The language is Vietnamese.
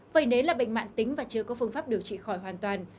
phẩy nến là bệnh mạng tính và chưa có phương pháp điều trị khỏi hoàn toàn